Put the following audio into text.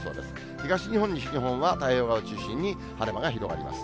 東日本、西日本は太平洋側を中心に、晴れ間が広がります。